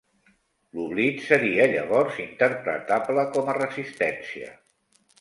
L'oblit seria llavors interpretable com a resistència.